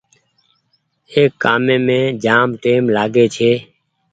اي ڪآميم جآم ٽآئيم لآگي ڇي۔